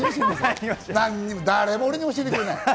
誰も俺に教えてくれない。